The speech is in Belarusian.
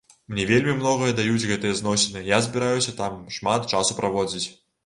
Мне вельмі многае даюць гэтыя зносіны, я збіраюся там шмат часу праводзіць.